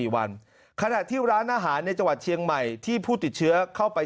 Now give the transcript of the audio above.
วันขณะที่ร้านอาหารในจังหวัดเชียงใหม่ที่ผู้ติดเชื้อเข้าไป